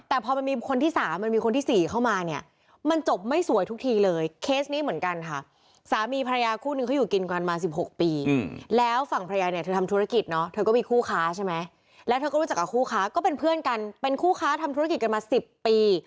แต่พอมันมีคนที่สามมันมีคนที่สี่เข้ามาเนี่ย